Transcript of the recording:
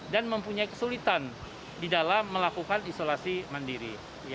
dan mempunyai kesulitan di dalam melakukan isolasi mandiri